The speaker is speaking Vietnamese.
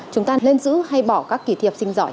chúng ta nên giữ hay bỏ các kỳ thi học sinh giỏi